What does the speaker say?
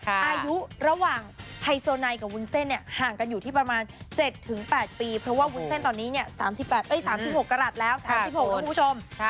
อายุระหว่างไฮโซไนกับวุ้นเส้นเนี่ยห่างกันอยู่ที่ประมาณ๗๘ปีเพราะว่าวุ้นเส้นตอนนี้เนี่ย๓๖กรัฐแล้ว๓๖นะคุณผู้ชม